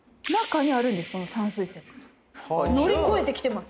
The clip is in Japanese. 乗り越えてきてます。